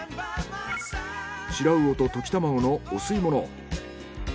シラウオと溶き卵のお吸い物。